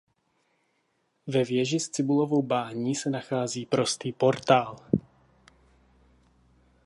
Ve věži s cibulovou bání se nachází prostý portál.